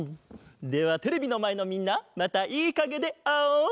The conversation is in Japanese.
ではテレビのまえのみんなまたいいかげであおう！